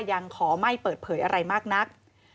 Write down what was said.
ยังขอไม่เปิดเผยอะไรมากนัก